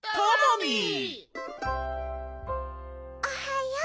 ミおはよう！